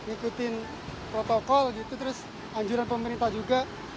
ngikutin protokol gitu terus anjuran pemerintah juga